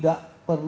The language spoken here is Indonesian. dua tahun kemudian